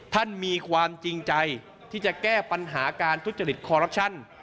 ท่านมีความจริงใจที่จะแก้ปัญหาการทุจริตคอรัปชั่น